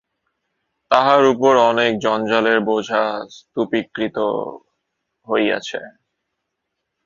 তাহার উপর অনেক জঞ্জালের বোঝা স্তূপীকৃত হইয়াছে।